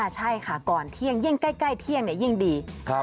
ใช่ค่ะก่อนเที่ยงยิ่งใกล้เที่ยงยิ่งดี